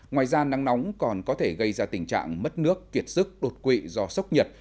ngoài ra nắng nóng còn có thể gây ra tình trạng mất nước kiệt sức đột quỵ do sốc nhiệt